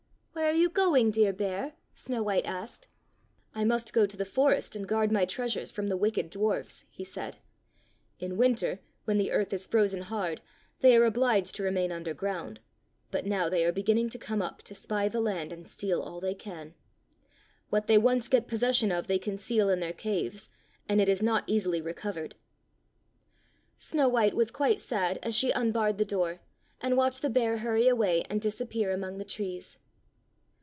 "Where are you going, dear bear?" Snow white asked. "I must go to the forest and guard my treasures from the wicked dwarfs," he said. "In winter, when the earth is frozen hard, they are obliged to remain underground; but now they are beginning to come up to spy the land and steal all they can. What they once get possession of they conceal in their caves, and it is not easily recovered." Snow white was quite sad as she unbarred the door, and watched the bear hurry away and disappear among the trees.